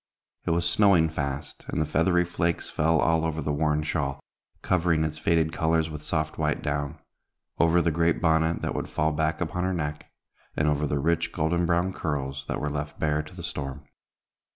It was snowing fast, and the feathery flakes fell all over the worn shawl, covering its faded colors with soft white down; over the great bonnet that would fall back upon her neck; and over the rich, golden brown curls, that were left bare to the storm.